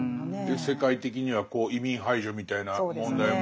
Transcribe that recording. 世界的には移民排除みたいな問題もありますしね。